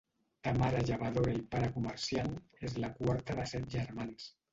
De mare llevadora i pare comerciant, és la quarta de set germans.